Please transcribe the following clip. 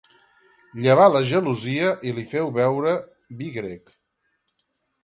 Llevà la gelosia i li feu beure vi grec.